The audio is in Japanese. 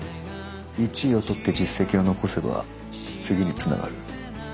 １位を取って実績を残せば次につながる。